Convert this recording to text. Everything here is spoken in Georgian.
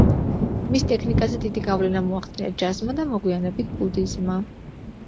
მის ტექნიკაზე დიდი გავლენა მოახდინა ჯაზმა და, მოგვიანებით, ბუდიზმმა.